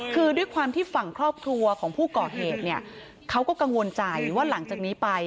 คือด้วยความที่ฝั่งครอบครัวของผู้ก่อเหตุเนี่ยเขาก็กังวลใจว่าหลังจากนี้ไป